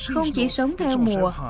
không chỉ sống theo mùa